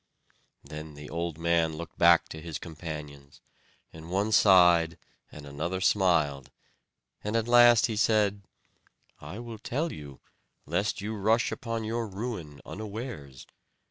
Then the old man looked back to his companions; and one sighed and another smiled; at last he said: "I will tell you, lest you rush upon your ruin unawares.